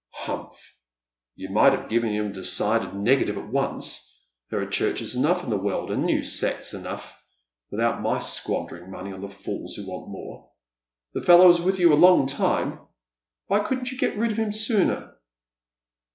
" Humph ! You might have given him a decided negative at once. There are churches enough in the world, and new sects enough, without my squandering money on the fools who want more. The fellow was with you a long time. Why couldn't you get rid of him sooner